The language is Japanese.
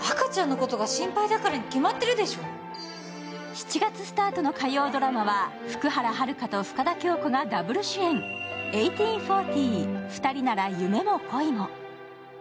７月スタートの火曜ドラマは福原遥と深田恭子がダブル主演、「１８／４０ふたりなら夢も恋も」。